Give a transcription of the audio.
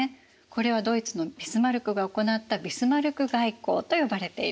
これはドイツのビスマルクが行ったビスマルク外交と呼ばれているの。